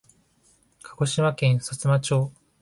鹿児島県さつま町